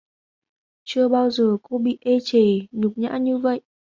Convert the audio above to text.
Chưa bao giờ cô bị ê trề nhục nhã đến như vậy